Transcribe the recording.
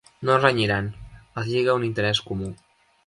No renyiran: els lliga un interès comú.